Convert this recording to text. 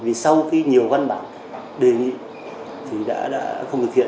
vì sau khi nhiều văn bản đề nghị thì đã không thực hiện